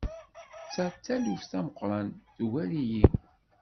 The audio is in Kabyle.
Ta d taluft tameqqrant! Tugar-iyi.